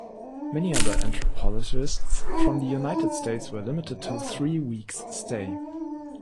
Many other anthropologists from the United States were limited to three weeks' stay.